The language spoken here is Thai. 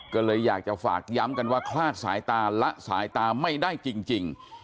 ก็เลยอยากจะฝากย้ำกันว่าคลาดสายตาละสายตาไม่ได้จริง